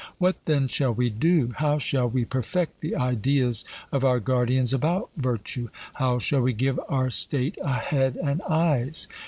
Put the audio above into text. What then shall we do? How shall we perfect the ideas of our guardians about virtue? how shall we give our state a head and eyes?